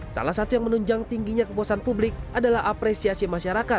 salah satu yang menunjang tingginya kepuasan publik adalah apresiasi masyarakat